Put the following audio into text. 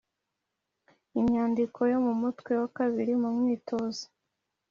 imyandiko yo mu mutwe wa kabiri mu mwitozo